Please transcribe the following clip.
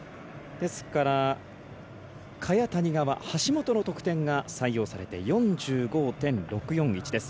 ですから萱、谷川橋本の得点が採用されて４５．６４１です。